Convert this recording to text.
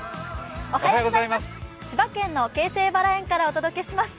千葉県の京成バラ園からお届けします。